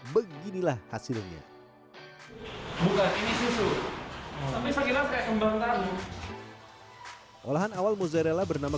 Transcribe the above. beginilah hasilnya bukan ini susu tapi segini kayak kembang karu olahan awal mozzarella bernama